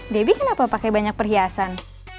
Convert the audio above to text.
debbie kenapa pakai banyak perhiasan